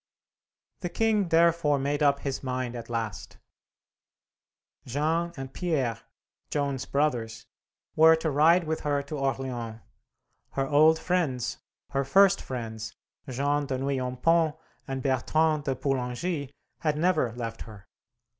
The king therefore made up his mind at last. Jean and Pierre, Joan's brothers, were to ride with her to Orleans; her old friends, her first friends, Jean de Nouillompont and Bertrand de Poulengy, had never left her.